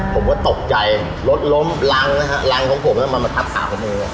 ผมก็ตกใจรถล้มรังนะฮะรังของผมมันมาทับขาของมือ